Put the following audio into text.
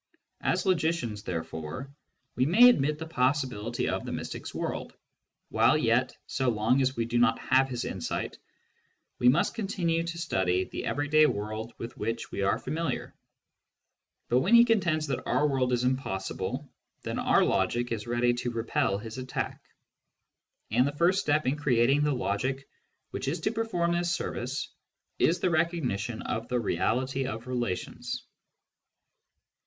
As logicians, therefore, we may admit the possibility of the mystic's world, while yet, so long as we do not have his insight, we must continue to study the everyday world with which we are familiar. But when he contends that our world is impossible, then ' our logic is ready to repel his attack. And the first step in creating the logic which is to perform this service is the recognition of the reality of relations.